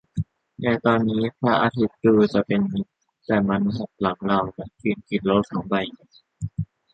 ในตอนนี้พระอาทิตย์ดูจะเป็นมิตร แต่มันจะหักหลังเราและกลืนกินโลกใบนี้